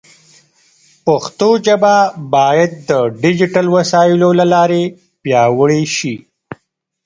پښتو ژبه باید د ډیجیټل وسایلو له لارې پیاوړې شي.